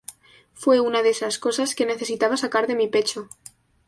Fue una de esas cosas que necesitaba sacar de mi pecho.